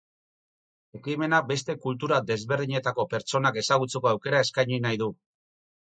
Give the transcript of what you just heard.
Ekimenak beste kultura desberdinetako pertsonak ezagutzeko aukera eskaini nahi du.